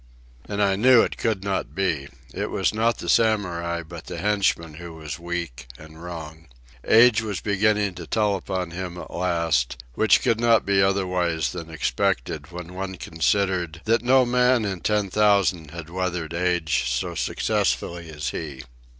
And I knew it could not be. It was not the Samurai but the henchman who was weak and wrong. Age was beginning to tell upon him at last, which could not be otherwise than expected when one considered that no man in ten thousand had weathered age so successfully as he.